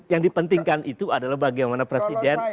yang dipentingkan itu adalah bagaimana presiden